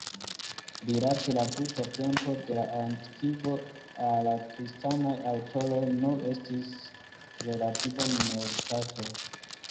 Rilate la tuta tempo de la antikvo la kristanaj aŭtoroj nur estis relativa minoritato.